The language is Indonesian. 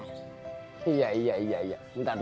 aku mau urusan teman berlarung masa tersebut